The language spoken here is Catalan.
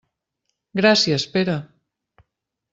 Gràcies, Pere.